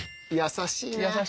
優しいな。